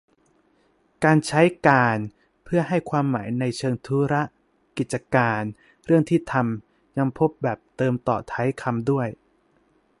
การใช้ "การ" เพื่อให้ความหมายในเชิง ธุระ กิจการ เรื่องที่ทำ ยังพบแบบเติมต่อท้ายคำด้วย